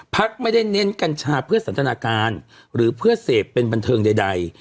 พักไม่ได้เน้นกัญชาเพื่อสันทนาการหรือเพื่อเสพเป็นบันเทิงใด